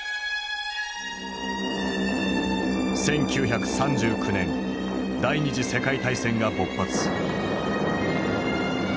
１９３９年第二次世界大戦が勃発。